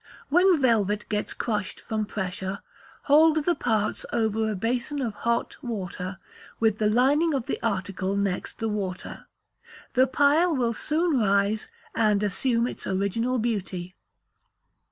When Velvet gets crushed from pressure, hold the parts over a basin of hot water, with the lining of the article next the water; the pile will soon rise, and assume its original beauty.